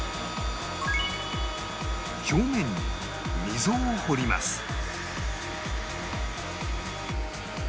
表面に溝を彫ります